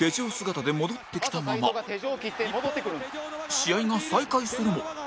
試合が再開するも